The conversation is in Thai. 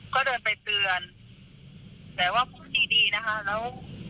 ก็เดินไปเตือนแต่ว่าพูดดีดีนะคะแล้ว